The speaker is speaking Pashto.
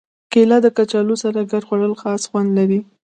کېله د کچالو سره ګډ خوړل خاص خوند لري.